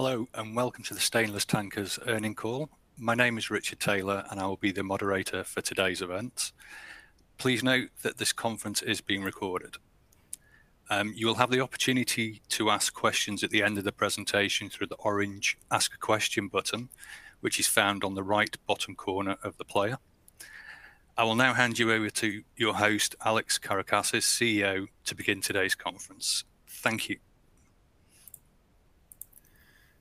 Hello, welcome to the Stainless Tankers earning call. My name is Richard Taylor, I will be the moderator for today's event. Please note that this conference is being recorded. You will have the opportunity to ask questions at the end of the presentation through the orange Ask a Question button, which is found on the right bottom corner of the player. I will now hand you over to your host, Alex Karakassis, CEO, to begin today's conference. Thank you.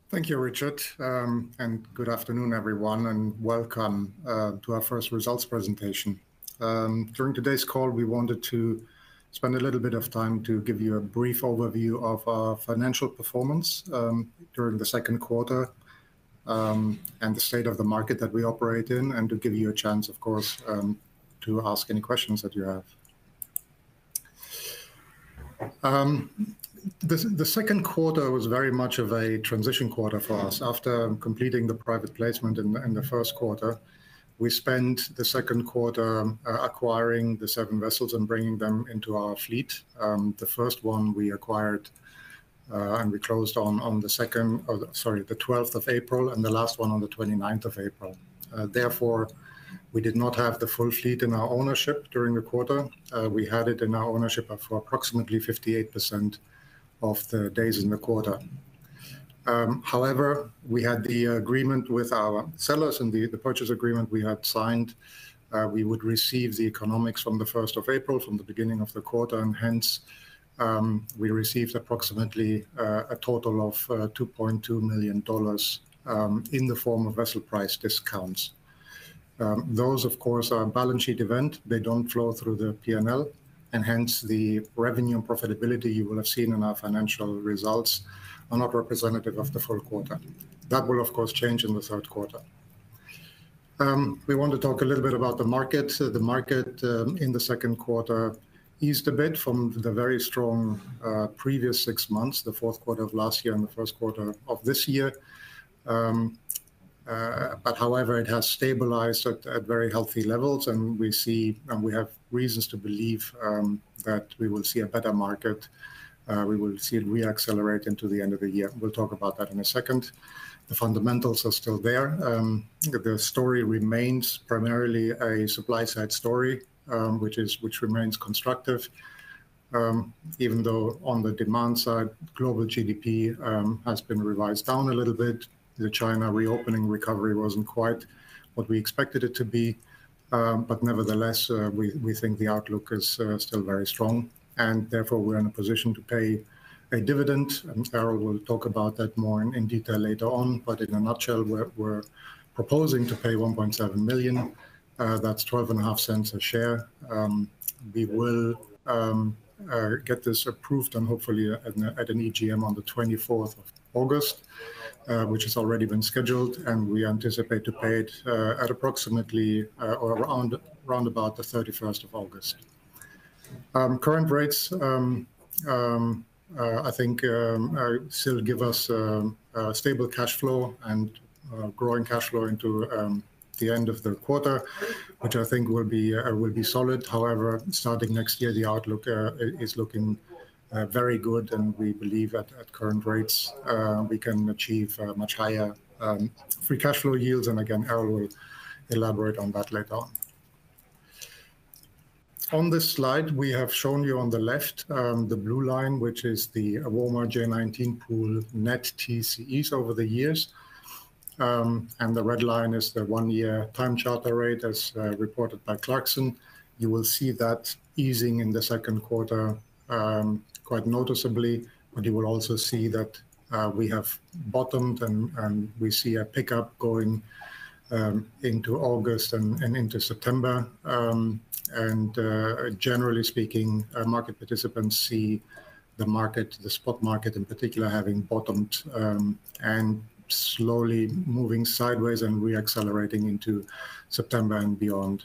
Thank you, Richard. Good afternoon, everyone, and welcome to our first results presentation. During today's call, we wanted to spend a little bit of time to give you a brief overview of our financial performance during the second quarter and the state of the market that we operate in, and to give you a chance, of course, to ask any questions that you have. The, the second quarter was very much of a transition quarter for us. After completing the private placement in the, in the first quarter, we spent the second quarter acquiring the seven vessels and bringing them into our fleet. The first one we acquired, and we closed on the 12th of April, and the last one on the 29th of April. Therefore, we did not have the full fleet in our ownership during the quarter. We had it in our ownership for approximately 58% of the days in the quarter. However, we had the agreement with our sellers and the, the purchase agreement we had signed, we would receive the economics from the `1st of April, from the beginning of the quarter, and hence, we received approximately a total of $2.2 million in the form of vessel price discounts. Those, of course, are a balance sheet event. They don't flow through the P&L. Hence, the revenue and profitability you will have seen in our financial results are not representative of the full quarter. That will, of course, change in the third quarter. We want to talk a little bit about the market. The market in the second quarter eased a bit from the very strong previous six months, the fourth quarter of last year and the first quarter of this year. However, it has stabilized at very healthy levels, and we see, and we have reasons to believe that we will see a better market, we will see it reaccelerate into the end of the year. We'll talk about that in a second. The fundamentals are still there. The story remains primarily a supply-side story, which remains constructive, even though on the demand side, global GDP has been revised down a little bit. The China reopening recovery wasn't quite what we expected it to be, but nevertheless, we think the outlook is still very strong, and therefore, we're in a position to pay a dividend. Erol will talk about that more in detail later on. In a nutshell, we're proposing to pay $1.7 million, that's $0.125 a share. We will get this approved and hopefully at an EGM on the 24th of August, which has already been scheduled, and we anticipate to pay it at approximately or around the 31st of August. Current rates, I think, are, still give us, stable cash flow and, growing cash flow into, the end of the quarter, which I think will be, will be solid. However, starting next year, the outlook, is looking, very good, and we believe at, at current rates, we can achieve, much higher, free cash flow yields, and again, Erol will elaborate on that later on. On this slide, we have shown you on the left, the blue line, which is the Womar J19 pool net TCEs over the years, and the red line is the one-year time-charter rate, as, reported by Clarksons. You will see that easing in the second quarter, quite noticeably, you will also see that we have bottomed and we see a pickup going into August and into September. Generally speaking, market participants see the market, the spot market in particular, having bottomed, and slowly moving sideways and reaccelerating into September and beyond.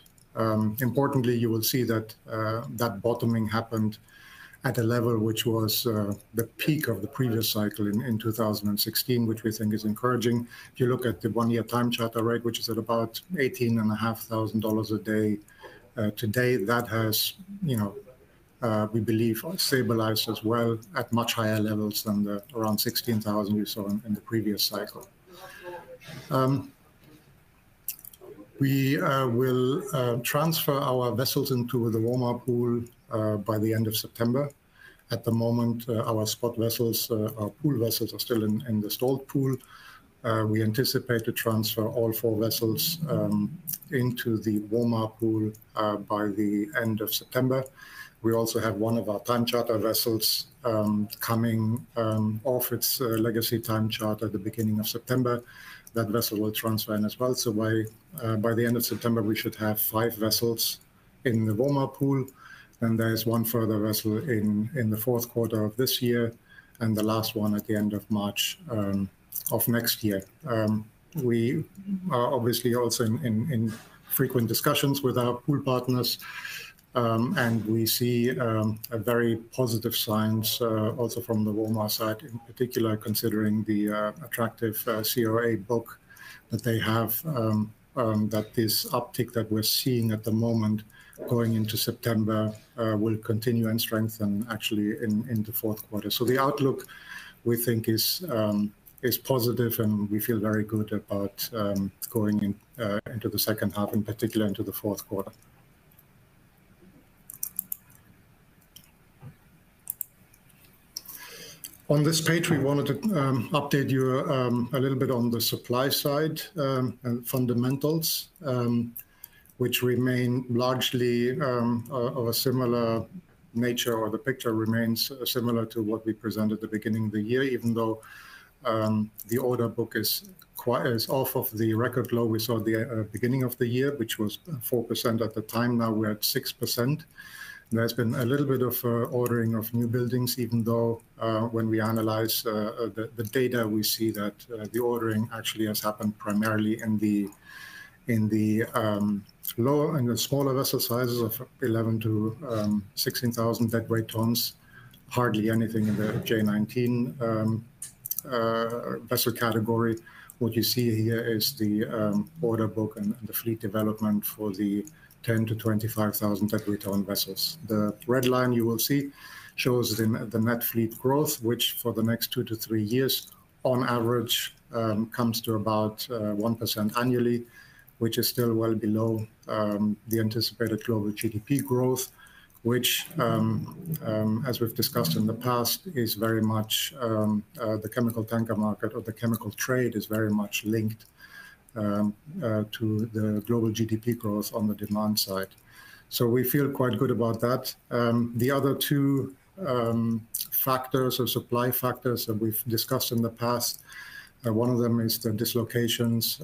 Importantly, you will see that that bottoming happened at a level which was the peak of the previous cycle in 2016, which we think is encouraging. If you look at the one-year time-charter rate, which is at about $18,500 a day today, that has, you know, we believe, stabilized as well at much higher levels than the around $16,000 we saw in the previous cycle. We will transfer our vessels into the Womar pool by the end of September. At the moment, our spot vessels, our pool vessels are still in the Stolt pool. We anticipate to transfer all four vessels into the Womar pool by the end of September. We also have one of our time charter vessels coming off its legacy time charter at the beginning of September. That vessel will transfer in as well. So by the end of September, we should have five vessels in the Womar pool, and there is one further vessel in the fourth quarter of this year, and the last one at the end of March of next year. We are obviously also in frequent discussions with our pool partners.... and we see a very positive signs also from the Womar side, in particular, considering the attractive COA book that they have, that this uptick that we're seeing at the moment going into September, will continue and strengthen actually in, in the fourth quarter. The outlook, we think, is positive, and we feel very good about going in into the second half, in particular, into the fourth quarter. On this page, we wanted to update you a little bit on the supply side and fundamentals, which remain largely of a similar nature, or the picture remains similar to what we presented at the beginning of the year, even though the order book is off of the record low we saw at the beginning of the year, which was 4% at the time. Now we're at 6%. There's been a little bit of ordering of newbuildings, even though when we analyze the data, we see that the ordering actually has happened primarily in the smaller vessel sizes of 11,000-16,000 deadweight tons. Hardly anything in the J19 vessel category. What you see here is the order book and, and the fleet development for the 10-25,000 deadweight ton vessels. The red line you will see shows the the net fleet growth, which for the next two-three years on average, comes to about 1% annually, which is still well below the anticipated global GDP growth, which as we've discussed in the past, is very much the chemical tanker market or the chemical trade is very much linked to the global GDP growth on the demand side. We feel quite good about that. The other two factors or supply factors that we've discussed in the past, one of them is the dislocations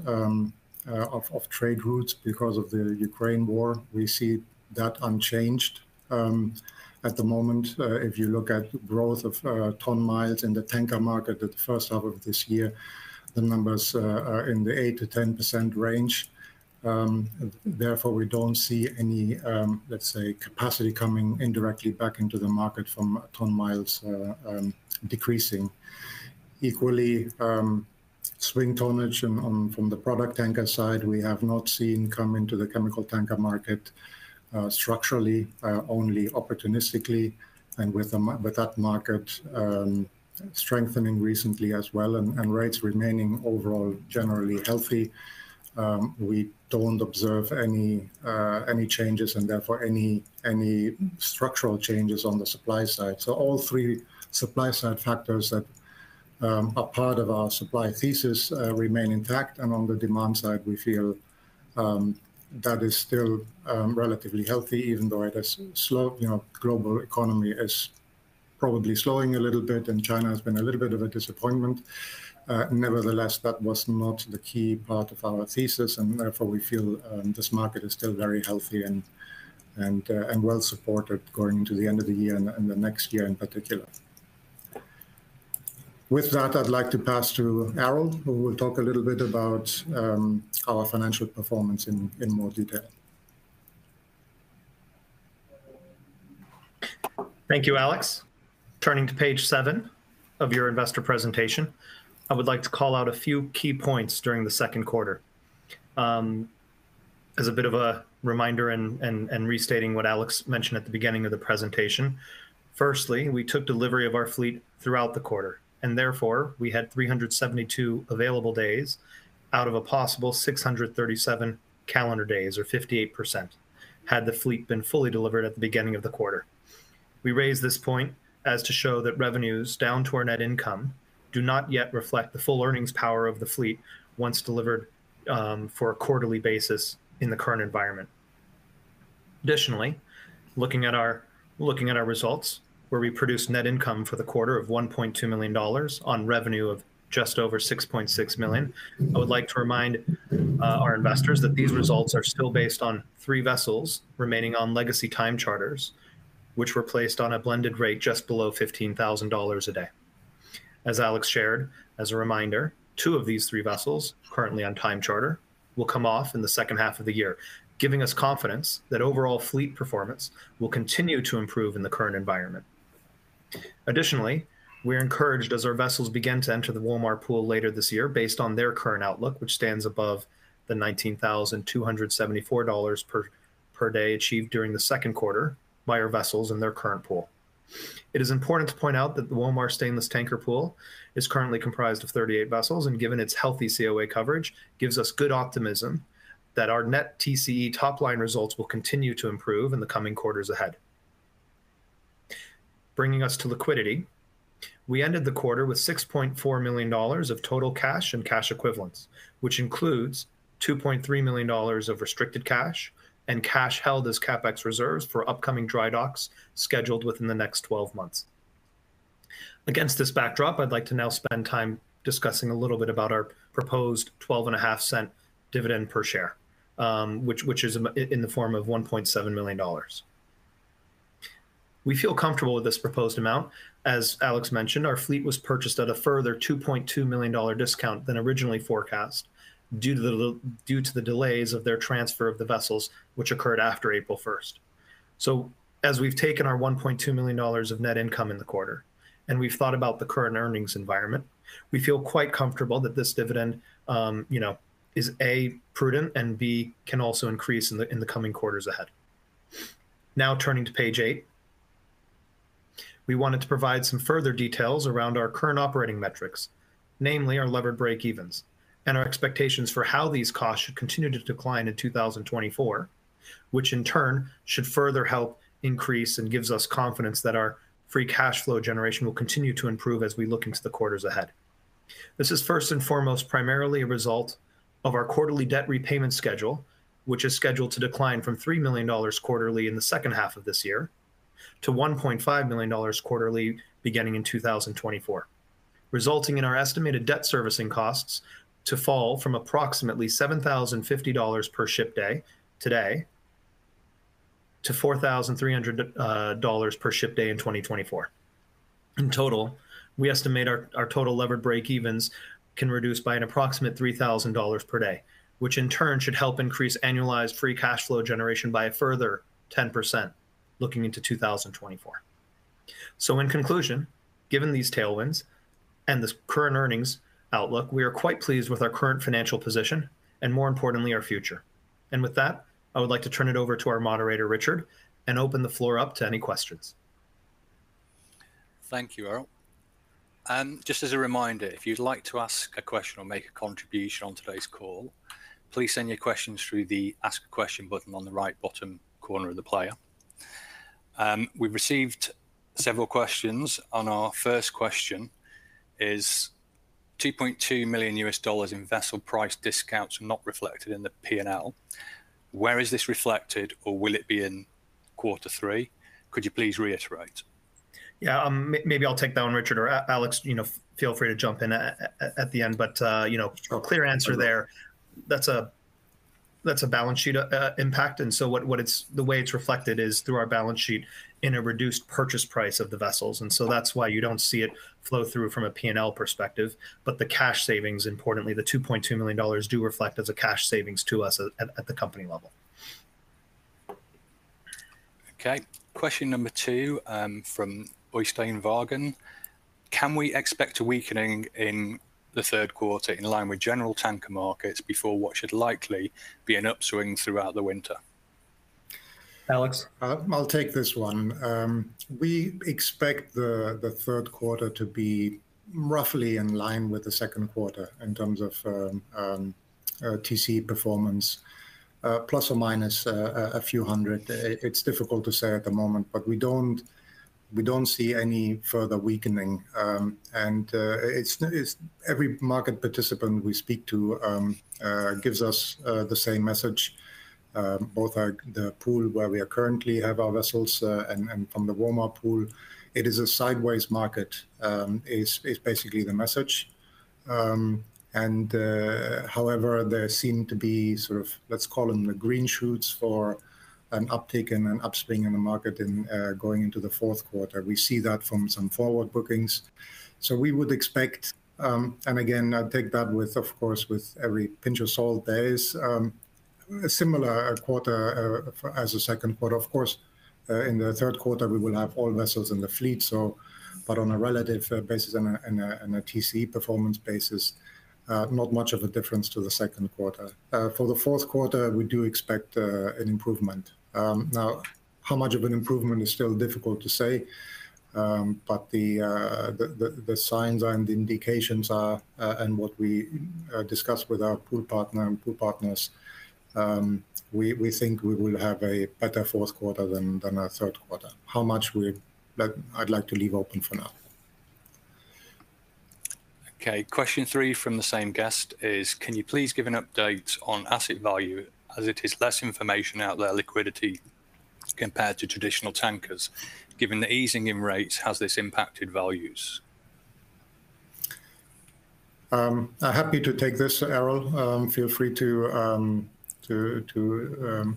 of trade routes because of the Ukraine war. We see that unchanged. At the moment, if you look at growth of ton-miles in the tanker market at the first half of this year, the numbers are in the 8%-10% range. Therefore, we don't see any, let's say, capacity coming indirectly back into the market from ton-miles decreasing. Equally, swing tonnage on, from the product tanker side, we have not seen come into the chemical tanker market, structurally, only opportunistically. With that market strengthening recently as well and, and rates remaining overall, generally healthy, we don't observe any, any changes and therefore any, any structural changes on the supply side. All three supply side factors that are part of our supply thesis remain intact, and on the demand side, we feel that is still relatively healthy, even though it has you know, global economy is probably slowing a little bit, and China has been a little bit of a disappointment. Nevertheless, that was not the key part of our thesis, and therefore, we feel this market is still very healthy and well supported going into the end of the year and the next year in particular. With that, I'd like to pass to Erol, who will talk a little bit about our financial performance in more detail. Thank you, Alex. Turning to page seven of your investor presentation, I would like to call out a few key points during the second quarter. As a bit of a reminder and, and, and restating what Alex mentioned at the beginning of the presentation, firstly, we took delivery of our fleet throughout the quarter, and therefore, we had 372 available days out of a possible 637 calendar days, or 58%, had the fleet been fully delivered at the beginning of the quarter. We raised this point as to show that revenues down to our net income do not yet reflect the full earnings power of the fleet once delivered for a quarterly basis in the current environment. Additionally, looking at our, looking at our results, where we produced net income for the quarter of $1.2 million on revenue of just over $6.6 million, I would like to remind our investors that these results are still based on three vessels remaining on legacy time charters, which were placed on a blended rate just below $15,000 a day. As Alex shared, as a reminder, two of these three vessels, currently on time charter, will come off in the second half of the year, giving us confidence that overall fleet performance will continue to improve in the current environment. Additionally, we're encouraged as our vessels begin to enter the Womar pool later this year, based on their current outlook, which stands above the $19,274 per, per day achieved during the second quarter by our vessels in their current pool. It is important to point out that the Womar Stainless Tanker pool is currently comprised of 38 vessels, and given its healthy COA coverage, gives us good optimism that our net TCE top-line results will continue to improve in the coming quarters ahead. Bringing us to liquidity, we ended the quarter with $6.4 million of total cash and cash equivalents, which includes $2.3 million of restricted cash and cash held as CapEx reserves for upcoming dry docks scheduled within the next 12 months. Against this backdrop, I'd like to now spend time discussing a little bit about our proposed $0.125 dividend per share, which is in the form of $1.7 million. We feel comfortable with this proposed amount. As Alex mentioned, our fleet was purchased at a further $2.2 million discount than originally forecast, due to the delays of their transfer of the vessels, which occurred after April 1st. As we've taken our $1.2 million of net income in the quarter, and we've thought about the current earnings environment, we feel quite comfortable that this dividend, you know, is, A, prudent, and B, can also increase in the coming quarters ahead. Turning to page eight. We wanted to provide some further details around our current operating metrics, namely our levered breakevens, and our expectations for how these costs should continue to decline in 2024, which in turn should further help increase and gives us confidence that our free cash flow generation will continue to improve as we look into the quarters ahead. This is first and foremost, primarily a result of our quarterly debt repayment schedule, which is scheduled to decline from $3 million quarterly in the second half of this year to $1.5 million quarterly beginning in 2024, resulting in our estimated debt servicing costs to fall from approximately $7,050 per ship day today, to $4,300 per ship day in 2024. In total, we estimate our, our total levered breakevens can reduce by an approximate $3,000 per day, which in turn should help increase annualized free cash flow generation by a further 10% looking into 2024. In conclusion, given these tailwinds and this current earnings outlook, we are quite pleased with our current financial position and more importantly, our future. With that, I would like to turn it over to our moderator, Richard, and open the floor up to any questions. Thank you, Erol. Just as a reminder, if you'd like to ask a question or make a contribution on today's call, please send your questions through the Ask a Question button on the right bottom corner of the player. We've received several questions. Our first question is: $2.2 million in vessel price discounts not reflected in the P&L. Where is this reflected, or will it be in quarter three? Could you please reiterate? Yeah, maybe I'll take that one, Richard, or Alex, you know, feel free to jump in at the end. You know, a clear answer there, that's a, that's a balance sheet impact, so what it's the way it's reflected is through our balance sheet in a reduced purchase price of the vessels, so that's why you don't see it flow through from a P&L perspective. The cash savings, importantly, the $2.2 million, do reflect as a cash savings to us at the company level. Okay, question number two, from Øystein Vaagen: Can we expect a weakening in the third quarter in line with general tanker markets before what should likely be an upswing throughout the winter? Alex? I'll take this one. We expect the third quarter to be roughly in line with the second quarter in terms of TC performance, plus or minus a few hundred. It's difficult to say at the moment, but we don't, we don't see any further weakening. It's every market participant we speak to gives us the same message. Both are the pool where we are currently have our vessels and from the Womar pool, it is a sideways market is basically the message. However, there seem to be sort of, let's call them the green shoots for an uptick and an upswing in the market in going into the fourth quarter. We see that from some forward bookings. We would expect, and again, I'll take that with, of course, with every pinch of salt. There is, a similar quarter, as a second quarter. Of course, in the third quarter, we will have all vessels in the fleet, so, but on a relative basis and a, and a, and a TC performance basis, not much of a difference to the second quarter. For the fourth quarter, we do expect, an improvement. Now, how much of an improvement is still difficult to say, but the, the, the, the signs and the indications are, and what we, discuss with our pool partner and pool partners, we, we think we will have a better fourth quarter than, than our third quarter. How much that I'd like to leave open for now. Okay, question three from the same guest is: Can you please give an update on asset value, as it is less information out there, liquidity, compared to traditional tankers? Given the easing in rates, has this impacted values? I'm happy to take this, Erol. Feel free to, to, to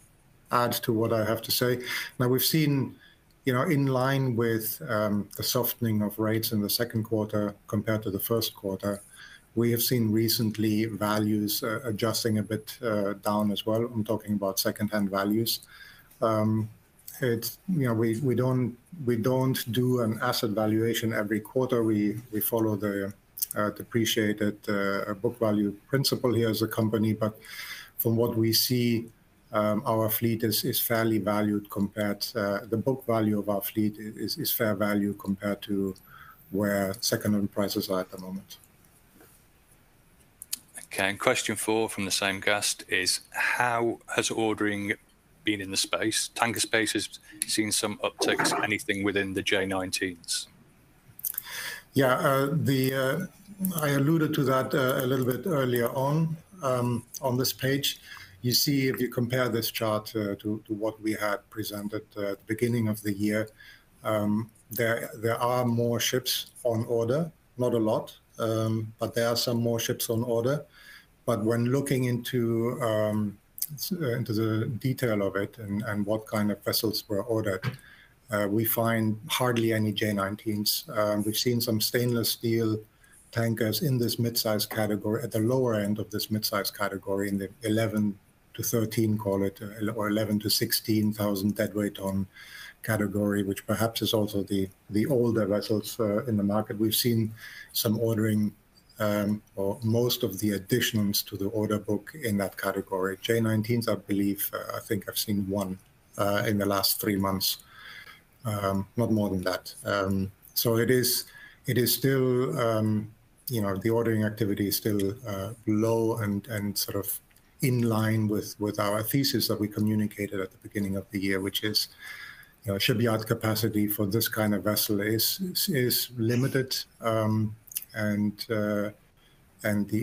add to what I have to say. Now, we've seen, you know, in line with the softening of rates in the second quarter compared to the first quarter, we have seen recently values adjusting a bit down as well. I'm talking about secondhand values. It, you know, we, we don't, we don't do an asset valuation every quarter. We, we follow the appreciated book value principle here as a company, but from what we see, our fleet is fairly valued compared, the book value of our fleet is fair value compared to where secondhand prices are at the moment. Okay, question four from the same guest is: How has ordering been in the space? Tanker space has seen some upticks, anything within the J19s? Yeah, the, I alluded to that a little bit earlier on. On this page, you see, if you compare this chart to, to what we had presented at the beginning of the year, there, there are more ships on order, not a lot, but there are some more ships on order. When looking into the detail of it and, and what kind of vessels were ordered, we find hardly any J19s. We've seen some stainless steel tankers in this mid-size category, at the lower end of this mid-size category, in the 11-13, call it, or 11,000-16,000 deadweight ton category, which perhaps is also the, the older vessels in the market. We've seen some ordering, or most of the additions to the order book in that category. J19s, I believe, I think I've seen one, in the last three months, not more than that. It is, it is still, you know, the ordering activity is still low and, and sort of in line with, with our thesis that we communicated at the beginning of the year, which is, you know, shipyard capacity for this kind of vessel is, is, is limited. The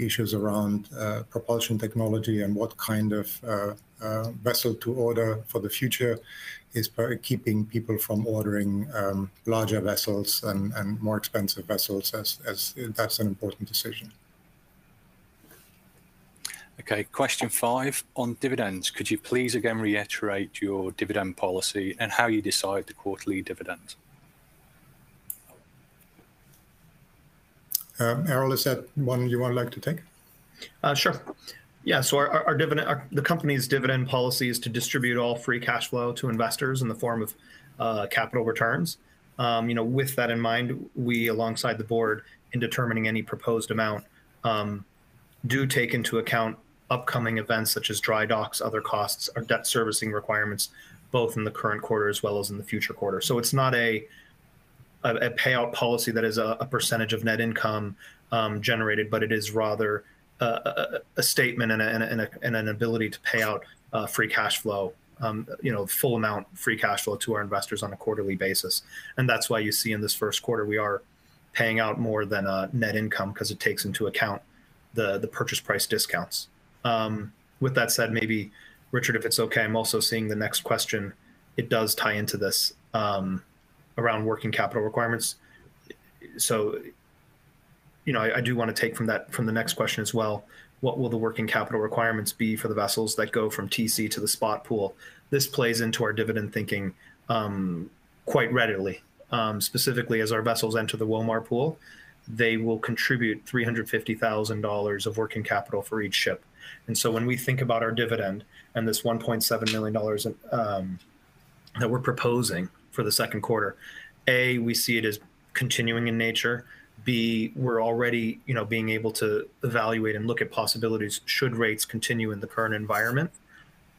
issues around propulsion technology and what kind of vessel to order for the future is keeping people from ordering larger vessels and, and more expensive vessels. That's an important decision. Okay, question five, on dividends. Could you please again reiterate your dividend policy and how you decide the quarterly dividend? Erol, is that one you would like to take? Sure. Yeah, so our dividend, the company's dividend policy is to distribute all free cash flow to investors in the form of capital returns. You know, with that in mind, we, alongside the board, in determining any proposed amount, do take into account upcoming events such as dry docks, other costs, or debt servicing requirements, both in the current quarter as well as in the future quarter. It's not a, a, a payout policy that is a, a percentage of net income generated, but it is rather a, a, a, a statement and a, and a, and an ability to pay out free cash flow, you know, full amount free cash flow to our investors on a quarterly basis. That's why you see in this first quarter, we are paying out more than net income because it takes into account the purchase price discounts. With that said, maybe, Richard, if it's okay, I'm also seeing the next question. It does tie into this around working capital requirements. You know, I, I do want to take from that- from the next question as well, what will the working capital requirements be for the vessels that go from TC to the spot pool? This plays into our dividend thinking quite readily. Specifically as our vessels enter the Womar pool, they will contribute $350,000 of working capital for each ship. When we think about our dividend and this $1.7 million that we're proposing for the second quarter, A, we see it as continuing in nature. B, we're already, you know, being able to evaluate and look at possibilities should rates continue in the current environment,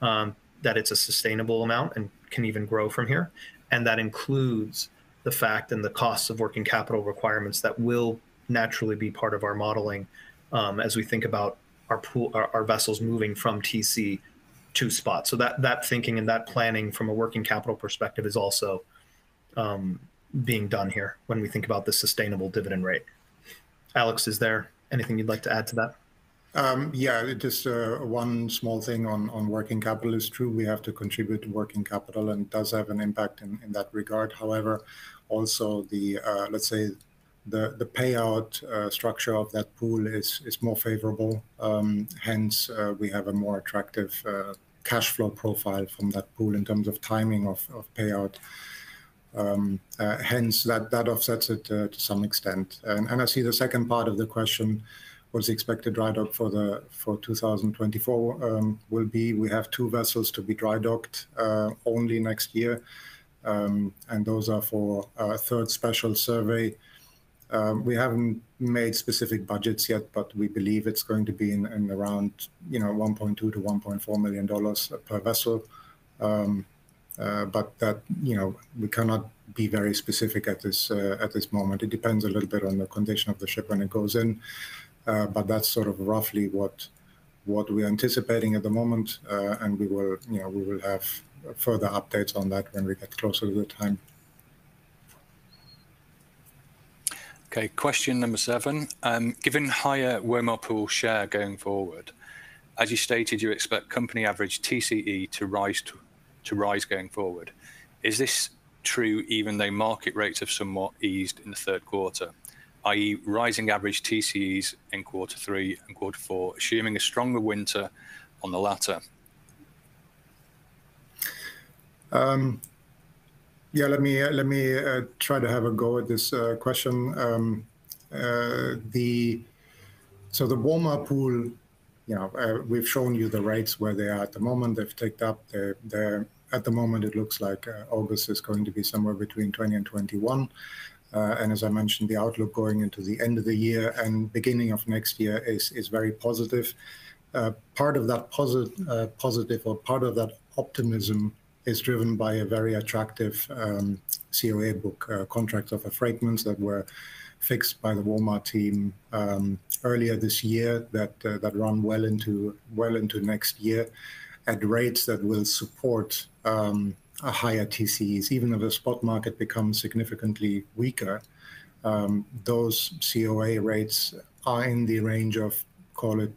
that it's a sustainable amount and can even grow from here. That includes the fact and the costs of working capital requirements that will naturally be part of our modeling, as we think about our pool- our vessels moving from TC to spot. That, that thinking and that planning from a working capital perspective is also being done here when we think about the sustainable dividend rate. Alex, is there anything you'd like to add to that? Just one small thing on working capital. It's true, we have to contribute to working capital, and it does have an impact in that regard. However, also the the payout structure of that pool is more favorable, hence, we have a more attractive cash flow profile from that pool in terms of timing of payout. Hence, that offsets it to some extent. I see the second part of the question, what is the expected dry dock for 2024? We have two vessels to be dry docked only next year, and those are for our third special survey. We haven't made specific budgets yet, but we believe it's going to be in, in around, you know, $1.2 million-$1.4 million per vessel. That, you know, we cannot be very specific at this moment. It depends a little bit on the condition of the ship when it goes in, but that's sort of roughly what, what we're anticipating at the moment. We will, you know, we will have further updates on that when we get closer to the time. Okay, question number seven. Given higher Womar pool share going forward, as you stated, you expect company average TCE to rise to, to rise going forward. Is this true even though market rates have somewhat eased in the third quarter, i.e., rising average TCEs in quarter three and quarter four, assuming a stronger winter on the latter? Yeah, let me, let me, try to have a go at this question. So the Womar pool, you know, we've shown you the rates where they are at the moment. They've ticked up. They're at the moment, it looks like August is going to be somewhere between 20 and 21. As I mentioned, the outlook going into the end of the year and beginning of next year is very positive. Part of that positive or part of that optimism is driven by a very attractive COA book, contracts of affreightment that were fixed by the Womar team earlier this year, that run well into, well into next year, at rates that will support a higher TCEs. Even if the spot market becomes significantly weaker, those COA rates are in the range of, call it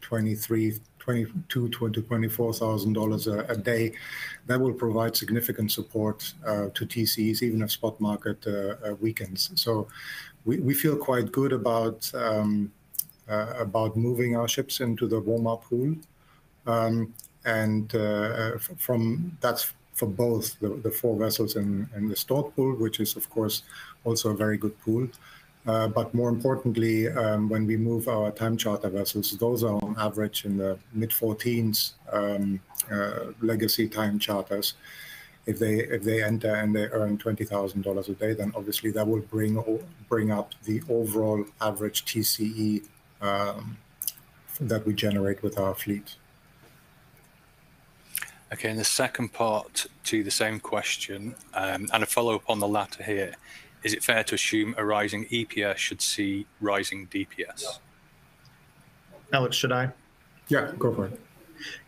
$22,000-$24,000 a day. That will provide significant support to TCEs, even if spot market weakens. We feel quite good about moving our ships into the Womar pool. And, that's for both the four vessels in the Stolt pool, which is, of course, also a very good pool. More importantly, when we move our time charter vessels, those are on average in the mid-14s, legacy time charters. If they enter and they earn $20,000 a day, then obviously that will bring up the overall average TCE that we generate with our fleet. Okay, the second part to the same question, and a follow-up on the latter here: Is it fair to assume a rising EPS should see rising DPS? Alex, should I? Yeah, go for it.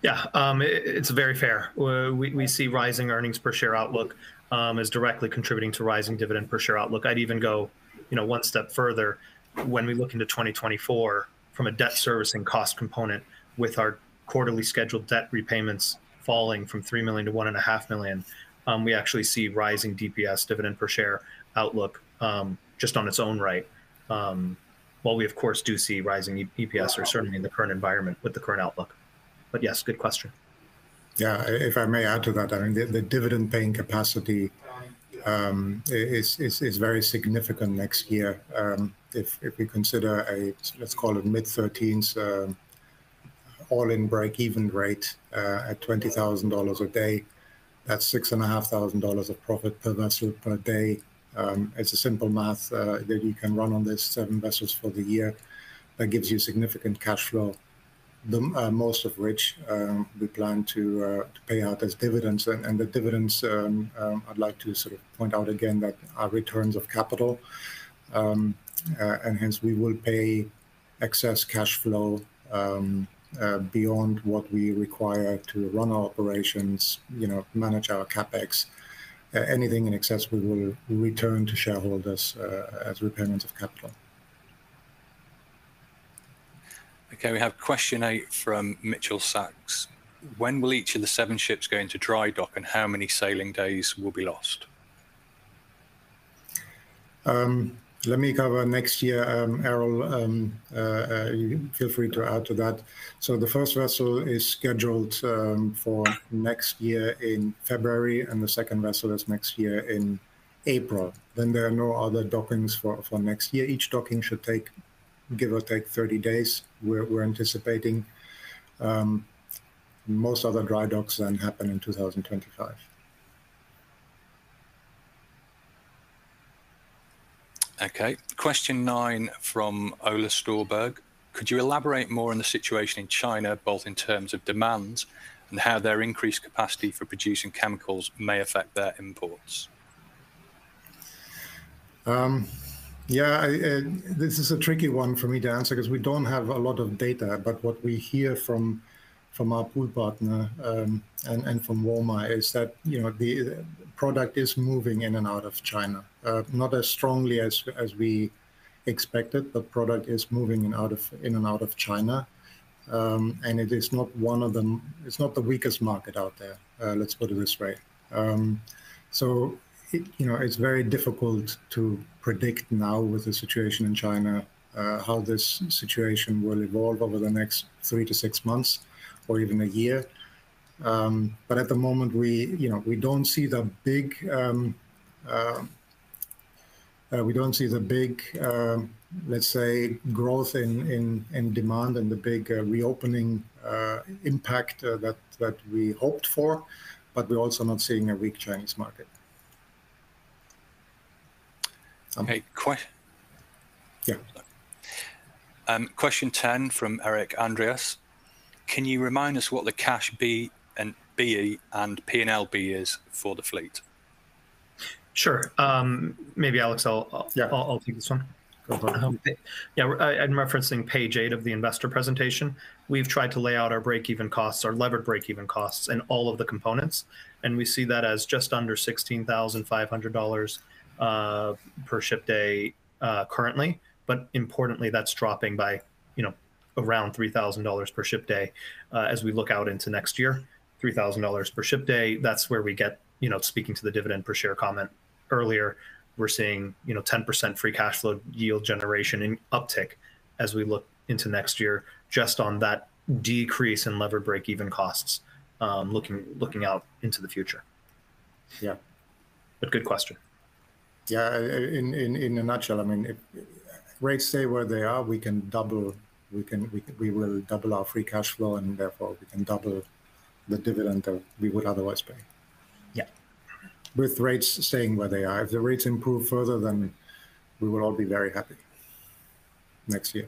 Yeah, it's very fair. We, we see rising earnings per share outlook as directly contributing to rising dividend per share outlook. I'd even go, you know, one step further when we look into 2024, from a debt servicing cost component with our quarterly scheduled debt repayments falling from $3 million to $1.5 million, we actually see rising DPS, dividend per share, outlook just on its own right. While we, of course, do see rising EPS or certainly in the current environment with the current outlook. Yes, good question. Yeah, if I may add to that, I mean, the dividend-paying capacity is very significant next year. If we consider a, let's call it mid-13s, all-in break-even rate at $20,000 a day, that's $6,500 of profit per vessel per day. It's a simple math that you can run on these seven vessels for the year. That gives you significant cash flow, most of which we plan to pay out as dividends. And the dividends, I'd like to sort of point out again that are returns of capital. And hence we will pay excess cash flow beyond what we require to run our operations, you know, manage our CapEx. Anything in excess, we will return to shareholders, as repayment of capital. Okay, we have question eight from Mitchell Sachs: When will each of the seven ships go into dry dock, and how many sailing days will be lost? Let me cover next year, Erol. Feel free to add to that. The first vessel is scheduled for next year in February, and the second vessel is next year in April. There are no other dockings for, for next year. Each docking should take, give or take, 30 days. We're, we're anticipating most of the dry docks then happen in 2025. Okay, question nine from Ola Størberg: Could you elaborate more on the situation in China, both in terms of demand and how their increased capacity for producing chemicals may affect their imports? Yeah, i, this is a tricky one for me to answer 'cause we don't have a lot of data. What we hear from, from our pool partner, and, and from Womar is that, you know, the product is moving in and out of China. Not as strongly as, as we expected, but product is moving in and out of China. It's not the weakest market out there, let's put it this way. It, you know, it's very difficult to predict now with the situation in China, how this situation will evolve over the next three-six months or even one year. At the moment, we, you know, we don't see the big, we don't see the big, let's say, growth in, in, in demand and the big, reopening, impact, that, that we hoped for, but we're also not seeing a weak Chinese market. Okay. Yeah. Question 10 from Eric Andreas: Can you remind us what the cash breakeven and P&L breakeven is for the fleet? Sure. maybe, Alex, I'll... Yeah. I'll, I'll take this one. Go for it. I'm referencing page eight of the investor presentation. We've tried to lay out our breakeven costs, our levered breakevens, and all of the components, and we see that as just under $16,500 per ship day currently. Importantly, that's dropping by, you know, around $3,000 per ship day as we look out into next year. $3,000 per ship day, that's where we get, you know, speaking to the dividend per share comment earlier, we're seeing, you know, 10% free cash flow yield generation and uptick as we look into next year, just on that decrease in levered breakevens, looking, looking out into the future. Yeah. Good question. Yeah, in a nutshell, I mean, if rates stay where they are, we will double our free cash flow, and therefore, we can double the dividend that we would otherwise pay. Yeah. With rates staying where they are. If the rates improve further, then we will all be very happy next year.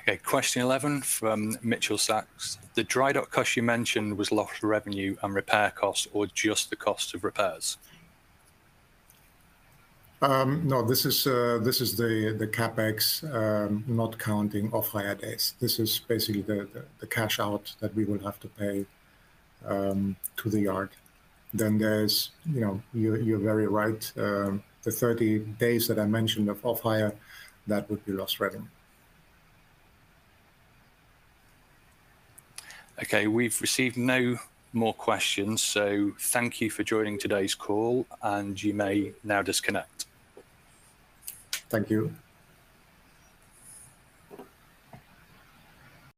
Okay, question 11 from Mitchell Sachs: The dry dock cost you mentioned was lost revenue and repair costs or just the cost of repairs? No, this is the, the CapEx, not counting off-hire days. This is basically the, the, the cash out that we would have to pay to the yard. There's, you know, you're, you're very right, the 30 days that I mentioned of off-hire, that would be lost revenue. Okay, we've received no more questions, so thank you for joining today's call, and you may now disconnect. Thank you.